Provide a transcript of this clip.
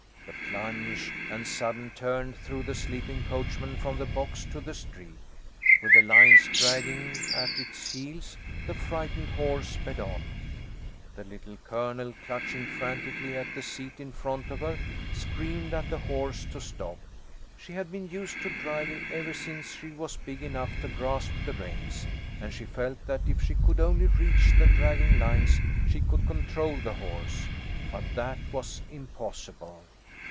The plunge and sudden turn threw the sleeping coachman from the box to the street. With the lines dragging at its heels, the frightened horse sped on. The Little Colonel, clutching frantically at the seat in front of her, screamed at the horse to stop. She had been used to driving ever since she was big enough to grasp the reins, and she felt that if she could only reach the dragging lines, she could control the horse. But that was impossible.